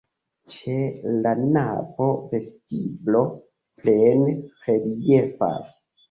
Ĉe la navo vestiblo plene reliefas.